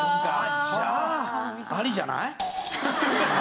じゃあアリじゃない？